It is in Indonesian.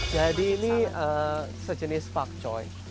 jadi ini sejenis pak choy